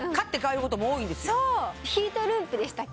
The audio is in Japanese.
ヒートループでしたっけ？